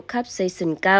khá là nguy hiểm